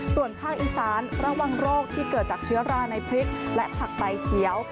ส่วนภาคอีสานระวังโรคที่เกิดจากเชื้อราในพริกและผักใบเขียว